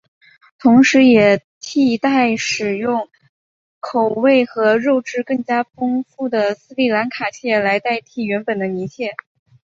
同时也替代使用口味和肉质更加丰富的斯里兰卡蟹来代替原本的泥蟹。